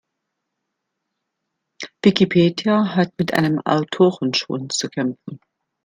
Wikipedia hat mit einem Autorenschwund zu kämpfen.